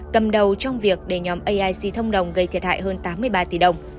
cầm đầu trong việc để nhóm aic thông đồng gây thiệt hại hơn tám mươi ba tỷ đồng